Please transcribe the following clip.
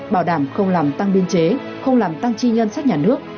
bảo đảm không làm tăng biên chế không làm tăng chi ngân sách nhà nước